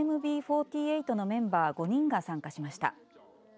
ＮＭＢ４８のメンバー５人が参加しました。